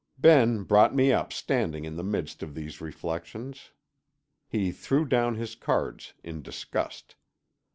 Ben brought me up standing in the midst of these reflections. He threw down his cards in disgust.